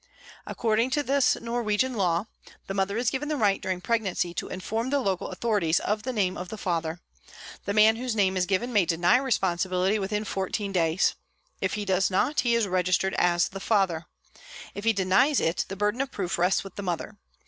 According to this Norwegian law, the mother is given the right during pregnancy to inform the local authori ties of the name of the father. The man whose name is given may deny responsibility within fourteen days. If he does not, he is registered as the father ; if he denies it the burden of proof rests with the mother.